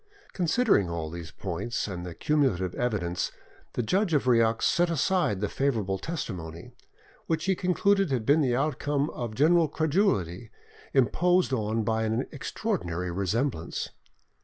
Considering all these points, and the cumulative evidence, the judge of Rieux set aside the favourable testimony, which he concluded had been the outcome of general credulity, imposed on by an extraordinary resemblance.